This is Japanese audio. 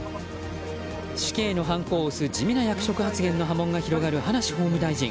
死刑のはんこを押す地味な役職発言の波紋が広がる、葉梨法務大臣。